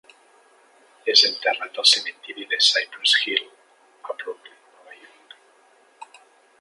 És enterrat al cementiri de Cypress Hills, a Brooklyn, Nova York.